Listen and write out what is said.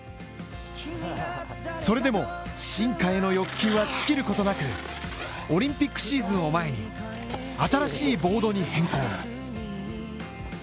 それでも進化への欲求は尽きることなくオリンピックシーズンを前に、新しいボードに変更。